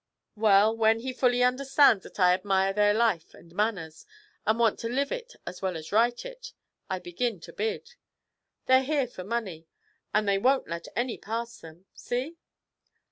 Well, when he fully understands that I admire their life and manners, and want to live it as well as write it, I begin to bid. They're here for money, and they won't let any pass them see?'